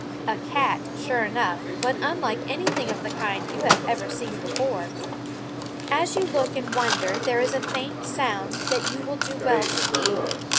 A cat, sure enough, but unlike anything of the kind you have ever seen before. As you look and wonder there is a faint sound that you will do well to heed.